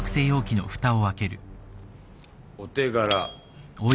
お手柄。